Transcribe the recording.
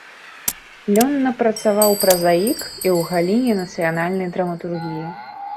Плённа працаваў празаік і ў галіне нацыянальнай драматургіі.